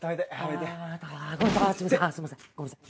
すいませんごめんなさい。